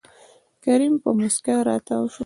کريم په موسکا راتاو شو.